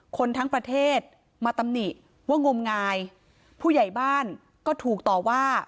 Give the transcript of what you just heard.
คนทั้งประเทศมาตำหนิว่างมงายผู้ใหญ่บ้านก็ถูกต่อว่า